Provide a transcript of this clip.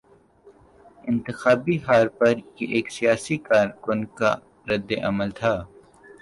انتخابی ہار پر یہ ایک سیاسی کارکن کا رد عمل تھا۔